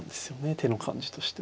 手の感じとしては。